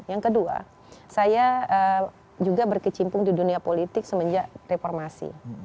yang kedua saya juga berkecimpung di dunia politik semenjak reformasi